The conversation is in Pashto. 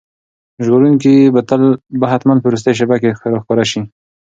ژغورونکی به حتماً په وروستۍ شېبه کې راښکاره شي.